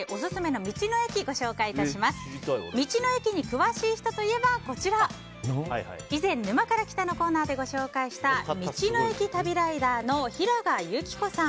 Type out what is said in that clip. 道の駅に詳しい人といえば以前「沼から来た。」のコーナーでご紹介した道の駅旅ライダーの平賀由希子さん。